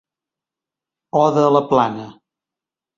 Oda a la plana.